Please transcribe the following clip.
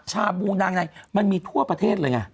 ชาบูนางในมันมีทั่วประเทศเลยไง